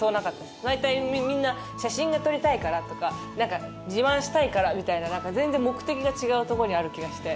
だいたいみんな写真が撮りたいからとか自慢したいからみたいな全然目的が違うところにある気がして。